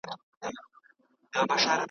د افغانستان د استقلال د ورځي .